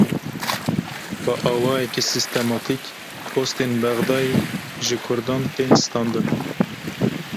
Bi awayekî sîstematîk postên Bexdayê ji Kurdan tên standin.